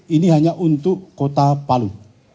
ini hanya untuk kota palu